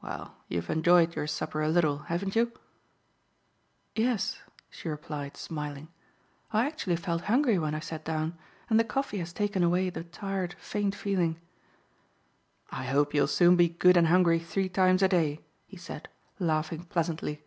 Well, you've enjoyed your supper a little, haven't you?" "Yes," she replied, smiling. "I actually felt hungry when I sat down, and the coffee has taken away the tired, faint feeling." "I hope you'll soon be good and hungry three times a day," he said, laughing pleasantly.